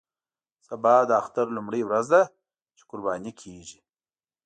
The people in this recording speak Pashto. سبا د اختر لومړۍ ورځ وه چې قرباني کېږي.